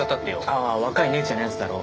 ああ若い姉ちゃんのやつだろ？